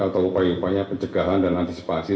atau upaya upaya tamat penjagaan dan antisipasi